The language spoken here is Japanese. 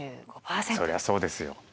そりゃそうですよ。